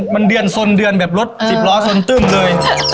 มันเดือนสนเดือนแบบรถสิบล้อชนตึ้มเลย